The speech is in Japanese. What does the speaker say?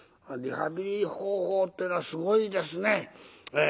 リハビリ方法っていうのはすごいですね。